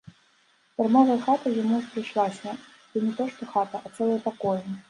Дармовая хата яму прыйшлася, ды не то што хата, а цэлыя пакоі.